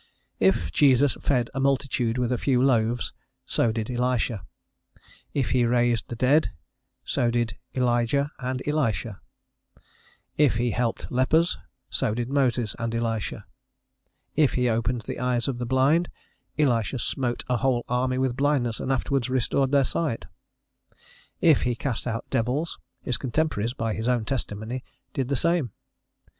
If Jesus fed a multitude with a few loaves, so did Elisha: if he raised the dead, so did Elijah and Elisha; if he healed lepers, so did Moses and Elisha; if he opened the eyes of the blind, Elisha smote a whole army with blindness and afterwards restored their sight: if he cast out devils, his contemporaries, by his own testimony, did the same.